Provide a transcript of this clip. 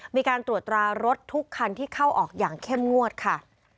มีการตรวจตรารถทุกคันที่เข้าออกอย่างเข้มงวดค่ะ